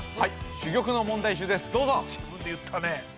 ◆珠玉の問題集です、どうぞ。